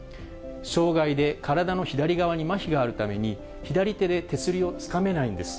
障がいで体の左側にまひがあるために、左手で手すりをつかめないんです。